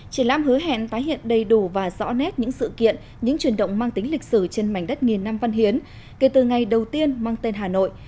triển lãm hứa hẹn tái hiện đầy đủ và rõ nét những sự kiện những chuyển động mang tính lịch sử trên mảnh đất nghìn năm văn hiến kể từ ngày đầu tiên mang tên hà nội